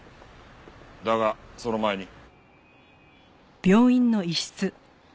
だがその前に。